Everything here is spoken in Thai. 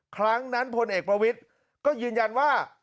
ครั้งนั้นพลเอกประวิทย์ก็ยืนยันว่า